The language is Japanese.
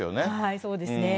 そうですね。